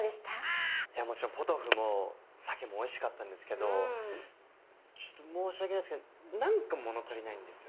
いやもちろんポトフもさけもおいしかったんですけどちょっと申し訳ないんですけどなんか物足りないんですよね。